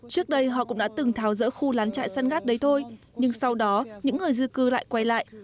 trước đây họ cũng đã từng tháo rỡ khu lán trại săn ngát đấy thôi nhưng sau đó những người di cư lại quay lại